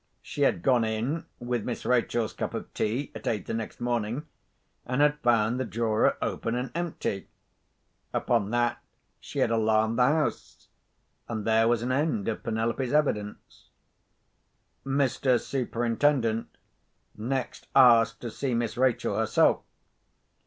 She had gone in with Miss Rachel's cup of tea at eight the next morning, and had found the drawer open and empty. Upon that, she had alarmed the house—and there was an end of Penelope's evidence. Mr. Superintendent next asked to see Miss Rachel herself.